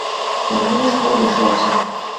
মনে হইল, সকলে বসিয়া আছে।